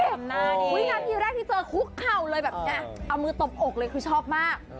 วินาทีแรกที่เจอคุกเข่าเลยแบบนี้เอามือตบอกเลยคือชอบมาก